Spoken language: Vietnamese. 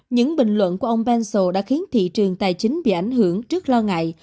những bình luận của ông benso đã khiến thị trường tài chính bị ảnh hưởng trước lo ngại